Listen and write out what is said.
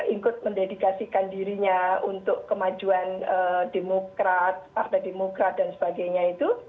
ikut mendedikasikan dirinya untuk kemajuan demokrat partai demokrat dan sebagainya itu